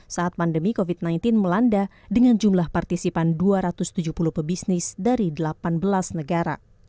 saat pandemi covid sembilan belas melanda dengan jumlah partisipan dua ratus tujuh puluh pebisnis dari delapan belas negara